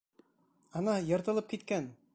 Ана, йыртылып киткән!